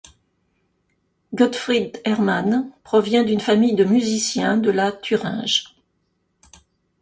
Gottfried Herrmann provient d'un famille de musiciens de la Thuringe.